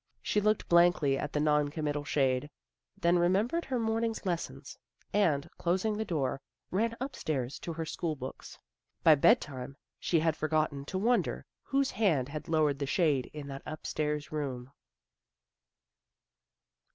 She looked blankly at the non committal shade, then remembered her morning's lessons, and, closing the door, ran upstairs to her school books. By bed time she had forgotten to wonder whose hand had lowered the shade in that upstairs room.